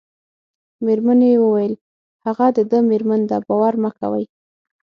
مېرمنې یې وویل: هغه د ده مېرمن ده، باور مه کوئ.